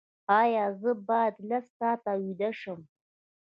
ایا زه باید لس ساعته ویده شم؟